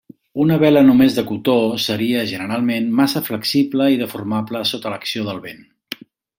Una vela només de cotó seria, generalment, massa flexible i deformable sota l'acció del vent.